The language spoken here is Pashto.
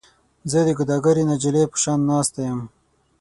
زه د ګداګرې نجلۍ په شان ناسته یم.